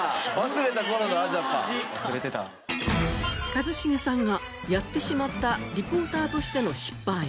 一茂さんがやってしまったリポーターとしての失敗。